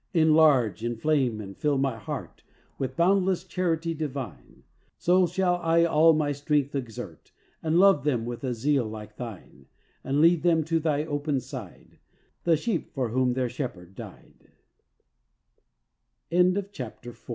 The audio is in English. "Enlarge, inflame and fill my heart With boundless charity divine, So shall I all my strength exert, And love them with a zeal like Thine; And lead them to Thy open side, The sheep for whom their Shepherd